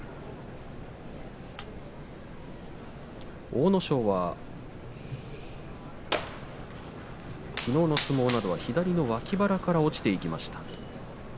阿武咲は、きのうの相撲では左の脇腹から落ちていきました。